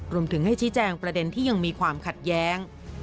รวมถึงให้ชี้แจงประเด็นที่ยังมีความขัดแย้ง